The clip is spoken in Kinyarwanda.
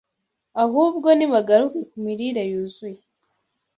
Ahubwo nibagaruke ku mirire yuzuye